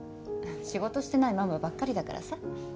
仕事してないママばっかりだからさ。